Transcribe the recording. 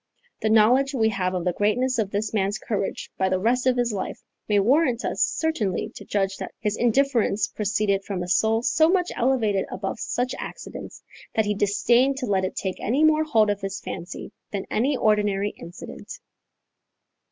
The knowledge we have of the greatness of this man's courage by the rest of his life, may warrant us certainly to judge that his indifference proceeded from a soul so much elevated above such accidents, that he disdained to let it take any more hold of his fancy than any ordinary incident.